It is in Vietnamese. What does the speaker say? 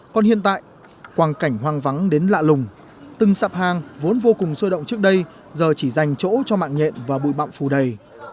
còn hiện tại quảng cảnh hoang vắng đến lạ lùng từng sạp hàng vốn vô cùng sôi động trước đây giờ chỉ dành chỗ cho mạng nhện và bụi bạm phù đầy